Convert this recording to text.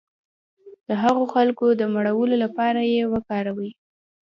د هغو خلکو د مړولو لپاره یې وکاروي.